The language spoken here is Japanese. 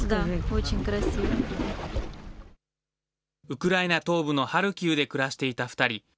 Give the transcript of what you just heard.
ウクライナ東部のハルキウで暮らしていた２人。